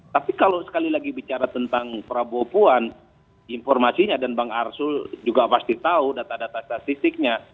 tapi kalau sekali lagi bicara tentang prabowo puan informasinya dan bang arsul juga pasti tahu data data statistiknya